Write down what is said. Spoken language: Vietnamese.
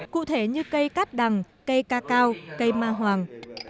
cụ thể như cây cát đằng cây ca cao cây ma hoàng